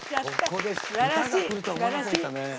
ここで歌がくると思いませんでしたね。